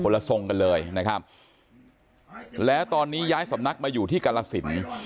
ละทรงกันเลยนะครับแล้วตอนนี้ย้ายสำนักมาอยู่ที่กรสิน